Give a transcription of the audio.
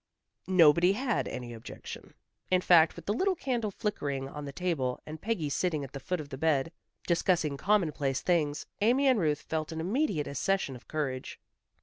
Nobody had any objection. In fact, with the little candle flickering on the table, and Peggy sitting at the foot of the bed, discussing commonplace things, Amy and Ruth felt an immediate accession of courage.